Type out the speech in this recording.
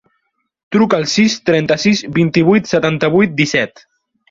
Truca al sis, trenta-sis, vint-i-vuit, setanta-vuit, disset.